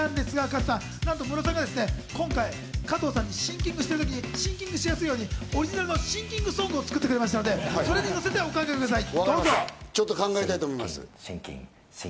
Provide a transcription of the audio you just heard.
加藤さん、なんとムロさんがですね、今回、加藤さんにシンキングしやすいように、オリジナルのシンキングソングを作ってくれましたので、それにのせてお考えください。